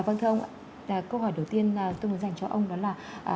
vâng thưa ông ạ câu hỏi đầu tiên tôi muốn dành cho ông đó là